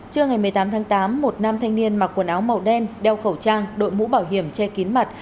trưa ngày một mươi tám tháng tám một nam thanh niên mặc quần áo màu đen đeo khẩu trang đội mũ bảo hiểm che kín mặt